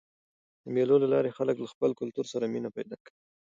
د مېلو له لاري خلک له خپل کلتور سره مینه پیدا کوي.